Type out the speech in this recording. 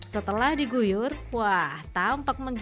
setelah diguyur wah tampak menggigit